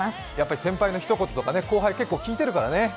先輩のひと言とか、後輩ってよく聞いてるからね。